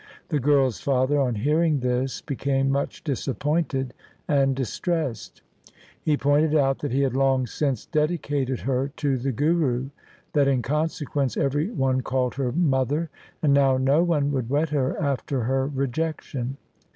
The girl's father on hearing this became much disappointed and distressed. He pointed out that he had long since dedicated her to the Guru, that in consequence every one called her mother, and now no one would wed her after her rejection.